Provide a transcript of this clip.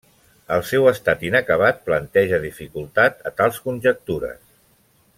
El seu estat inacabat planteja dificultats a tals conjectures.